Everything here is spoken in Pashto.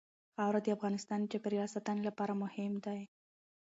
خاوره د افغانستان د چاپیریال ساتنې لپاره مهم دي.